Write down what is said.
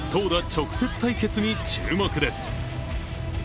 直接対決に注目です。